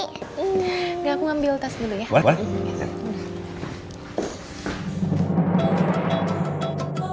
nggak aku ambil tas dulu ya